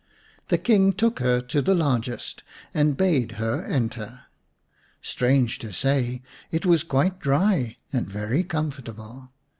The King took her to the largest and bade her enter. Strange to say, it was quite dry and very comfortable.